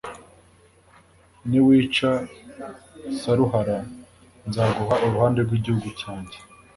niwica Saruhara, nzaguha uruhande rw’igihugu cyanjye.